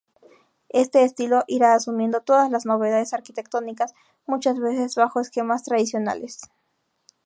Este estilo irá asumiendo todas las novedades arquitectónicas muchas veces bajo esquemas tradicionales.